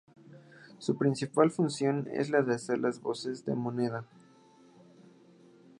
Su principal función es de hacer las veces de moneda.